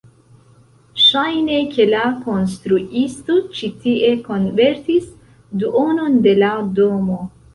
Ŝajne, ke la konstruisto ĉi tie konvertis duonon de la domo